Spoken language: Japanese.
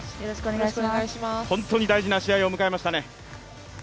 本当に大事な試合を迎えましたね。